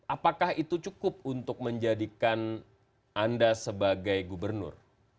apakah itu cukup untuk menjadikan anda sebagai gubernur